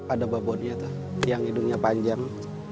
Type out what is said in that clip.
ada babonnya tuh tiang hidungnya panjang